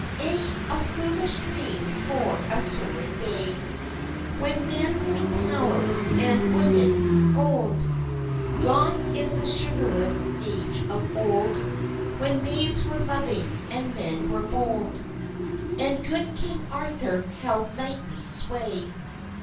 Aye, a foolish dream for a sordid day When men seek power and women, gold Gone is the chivalrous age of old When maids were loving and men were bold, And good King Arthur held knightly sway!